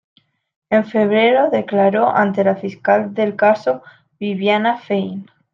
En febrero declaró ante la fiscal del caso, Viviana Fein.